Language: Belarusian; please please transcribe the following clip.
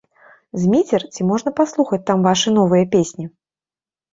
Зміцер, ці можна паслухаць там вашыя новыя песні?